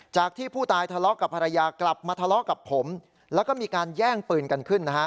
จากที่ผู้ตายทะเลาะกับภรรยากลับมาทะเลาะกับผมแล้วก็มีการแย่งปืนกันขึ้นนะฮะ